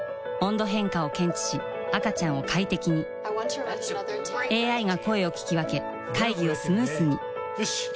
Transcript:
温度変化を検知し赤ちゃんを快適にＡＩが声を聞き分け会議をスムースによし！